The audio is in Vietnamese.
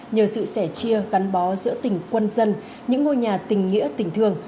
nhờ sự sẻ chia gắn bó giữa tỉnh quân dân những ngôi nhà tình nghĩa tình thương